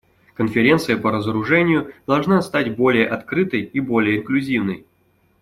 Конференция по разоружению должна стать более открытой и более инклюзивной.